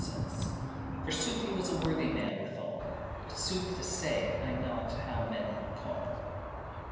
*business contract For sooth he was a worthy man withal, But sooth to say, I n'ot* how men him call.